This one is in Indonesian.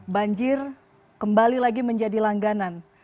banjir kembali lagi menjadi langganan